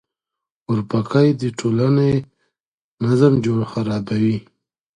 اورپکي د ټولنې نظم خرابوي.